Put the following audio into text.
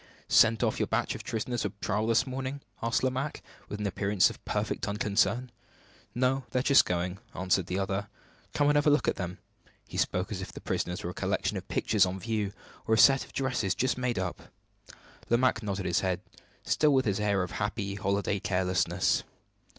"Sent off your batch of prisoners for trial this morning?" asked Lomaque, with an appearance of perfect unconcern. "No; they're just going," answered the other. "Come and have a look at them." He spoke as if the prisoners were a collection of pictures on view, or a set of dresses just made up. Lomaque nodded his head, still with his air of happy, holiday carelessness.